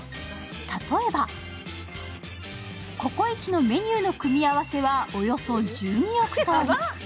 例えばココイチのメニューの組み合わせはおよそ１２億通り。